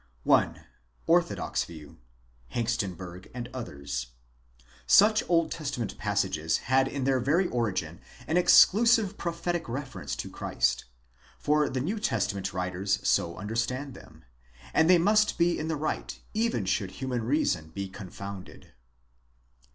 . Orthodox view (Hengstenberg and others): Such Old Testament οι had ἴῃ their very origin an exclusive prophetic reference to Christ, for the New Testament writers so understand them ; and they must be in the right even should human reason be confounded.